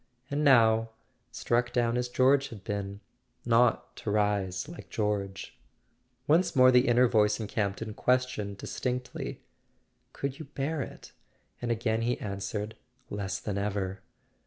And now, struck down as George had been—not to rise like George. .. Once more the inner voice in Campton questioned distinctly: "Could you bear it?" and again he an¬ swered: "Less than ever!"